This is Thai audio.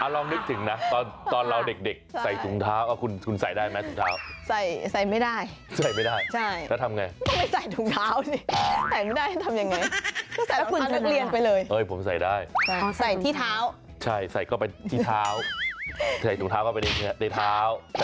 ลองนึกถึงนะตอนเราเด็กใส่ถุงเท้าก็คุณใส่ได้ไหมถุงเท้า